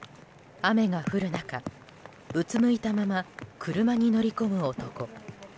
雨が降る中、うつむいたまま車に乗り込む男。